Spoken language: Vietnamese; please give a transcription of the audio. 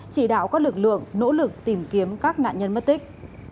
chỉ đạo các lực lượng nỗ lực tìm kiếm các nạn nhân mất tích